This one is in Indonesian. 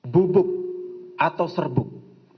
bubuk atau serbuk